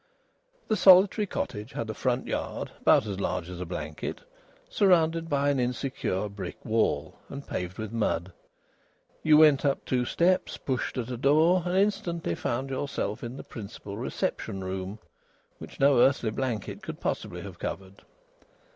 The solitary cottage had a front yard, about as large as a blanket, surrounded by an insecure brick wall and paved with mud. You went up two steps, pushed at a door, and instantly found yourself in the principal reception room, which no earthly blanket could possibly have covered.